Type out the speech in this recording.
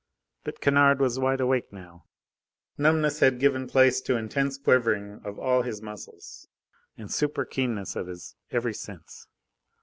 But Kennard was wide awake now; numbness had given place to intense quivering of all his muscles, and super keenness of his every sense.